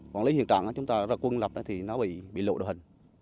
còn lý hiện trạng là chúng ta ra quân lập thì nó bị lộ đồ hình